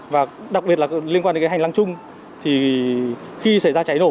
và đặc biệt là liên quan đến hành lăng chung thì khi xảy ra cháy nổ